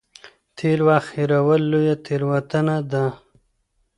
تېر وخت هېرول لويه تېروتنه ده.